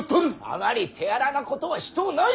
あまり手荒なことはしとうない。